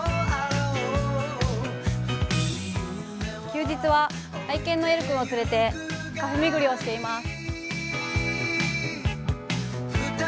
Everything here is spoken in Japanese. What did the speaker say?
休日は愛犬のエル君を連れてカフェ巡りをしています。